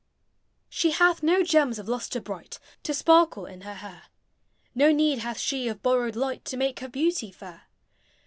She hath no gems of lustre bright To sparkle in her hair; No need hath she of borrowed light To make her beauty fair.